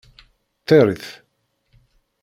Tter-it.